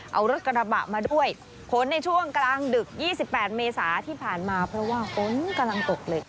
เอารถกระบะมาด้วยผลในช่วงกลางดึก๒๘เมษาที่ผ่านมาเพราะว่าฝนกำลังตกเลย